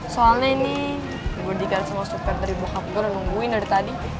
soalnya ini gue dikatakan sama super dari bokap gue yang nungguin dari tadi